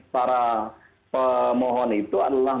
para pemohon itu adalah